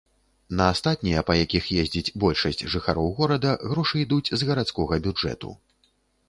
На астатнія, па якіх ездзіць большасць жыхароў горада, грошы ідуць з гарадскога бюджэту.